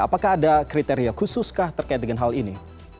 apakah ada kriteria khusus kah terkait dengan hal ini